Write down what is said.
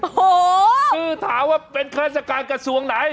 โอ้โหคือถามว่าเป็นข้าราชการกระทรวงไหน